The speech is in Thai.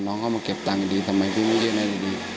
น้องเขามาเก็บตังค์ดีทำไมพี่ไม่เยี่ยมได้ดี